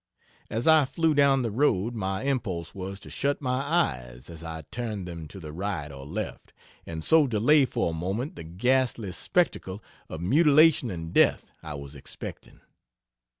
As I flew down the road my impulse was to shut my eyes as I turned them to the right or left, and so delay for a moment the ghastly spectacle of mutilation and death I was expecting.